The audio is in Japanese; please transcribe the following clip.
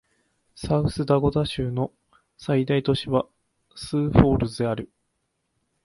サウスダコタ州の最大都市はスーフォールズである